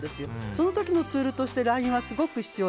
その時のツールとしてＬＩＮＥはとても重要。